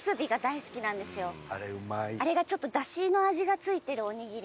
あれがちょっと出汁の味が付いてるおにぎりで。